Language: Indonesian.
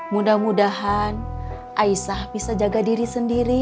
mudah mudahan aisah bisa jaga diri sendiri